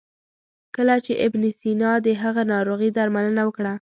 کله چې ابن سینا د هغه ناروغي درملنه وکړه.